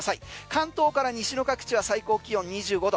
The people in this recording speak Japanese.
関東から西の各地は最高気温２５度。